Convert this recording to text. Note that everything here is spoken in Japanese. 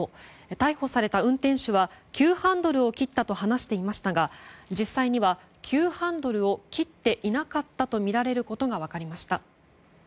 逮捕された運転手は急ハンドルを切ったと話していましたが実際には、急ハンドルを切っていなかったとみられることが分かりました。